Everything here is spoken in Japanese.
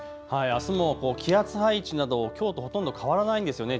あすも高気圧配置などきょうとほとんど変わらないんですよね。